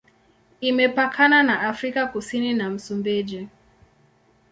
Imepakana na Afrika Kusini na Msumbiji.